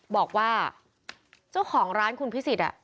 บอกว่าเจ้าของร้านคุณพิสิทธิ์